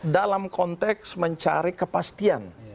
dalam konteks mencari kepastian